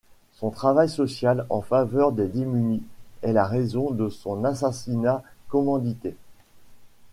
Son travail social en faveur des démunis est la raison de son assassinat commandité.